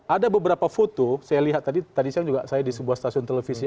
ada beberapa foto saya lihat tadi saya juga saya di sebuah stasiun televisi